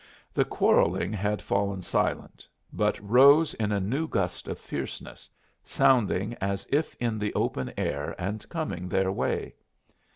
The quarrelling had fallen silent, but rose in a new gust of fierceness, sounding as if in the open air and coming their way.